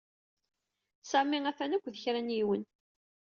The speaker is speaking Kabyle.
Sami atan akked kra n yiwen.